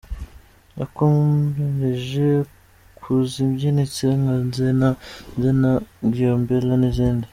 Yakomereje ku zibyinitse nka ’Nzenna Nzenna’, ’Gyobela’ n’izindi.